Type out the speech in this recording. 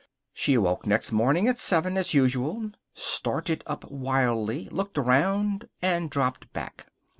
She awoke next morning at seven, as usual, started up wildly, looked around, and dropped back.